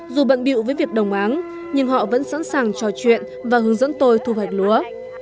dù bận biệu với việc đồng áng nhưng họ vẫn sẵn sàng trò chuyện và hướng dẫn tôi thu hoạch lúa